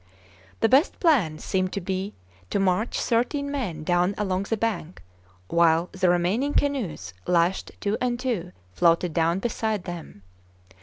The best plan seemed to be to march thirteen men down along the bank, while the remaining canoes, lashed two and two, floated down beside them.